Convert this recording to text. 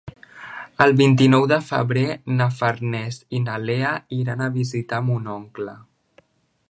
El vint-i-nou de febrer na Farners i na Lea iran a visitar mon oncle.